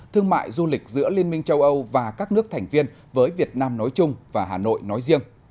thương mại du lịch giữa liên minh châu âu và các nước thành viên với việt nam nói chung và hà nội nói riêng